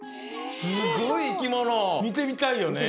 すごいいきもの！みてみたいよね。